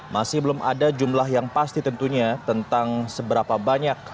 masih belum ada jumlah yang pasti tentunya tentang seberapa banyak